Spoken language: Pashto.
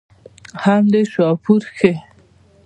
هم دې شاهپور کښې